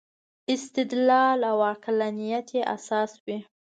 استدلال او عقلانیت یې اساس وي.